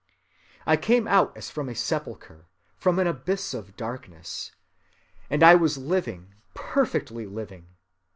"I came out as from a sepulchre, from an abyss of darkness; and I was living, perfectly living.